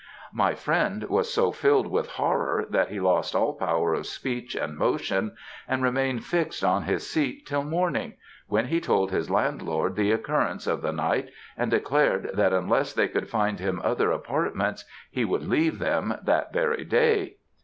My friend was so filled with horror that he lost all power of speech and motion, and remained fixed on his seat till morning, when he told his landlord the occurrence of the night, and declared that unless they could find him other apartments he would leave them that very day.